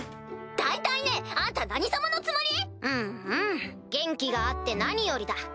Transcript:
大体ねあんた何様のつもり⁉うんうん元気があって何よりだ。